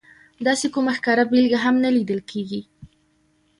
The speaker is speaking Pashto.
داسې کومه ښکاره بېلګه هم نه لیدل کېږي.